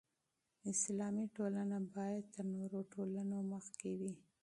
اسلامي ټولنه باید تر نورو ټولنو مخکې وي.